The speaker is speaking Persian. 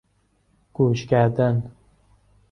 گوش کردن